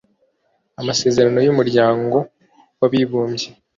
amasezerano y Umuryango w Abibumbye